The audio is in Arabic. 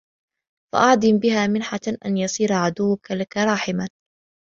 فَأَعْظِمْ بِهَا مِنْحَةً أَنْ يَصِيرَ عَدُوُّك لَك رَاحِمًا